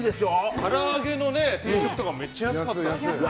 から揚げの定食とかめっちゃ安かった。